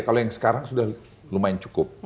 kalau yang sekarang sudah lumayan cukup